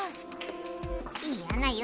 いやなよ